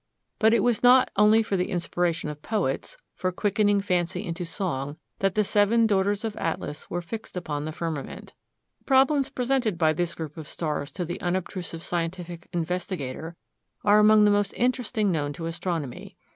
But it was not only for the inspiration of poets, for quickening fancy into song, that the seven daughters of Atlas were fixed upon the firmament. The problems presented by this group of stars to the unobtrusive scientific investigator are among the most interesting known to astronomy.